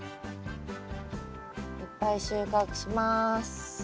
いっぱい収穫します。